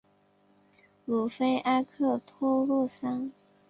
鲁菲阿克托洛桑。